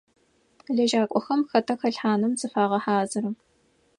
Лэжьакӏохэм хэтэ хэлъхьаным зыфагъэхьазыры.